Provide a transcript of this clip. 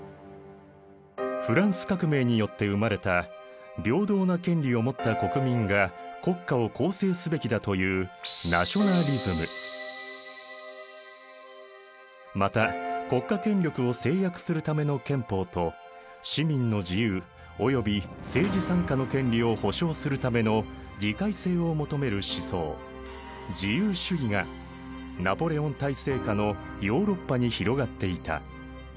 フランス革命によって生まれた平等な権利を持った国民が国家を構成すべきだというまた国家権力を制約するための憲法と市民の自由および政治参加の権利を保障するための議会制を求める思想自由主義がナポレオン体制下のヨーロッパに広がっていた。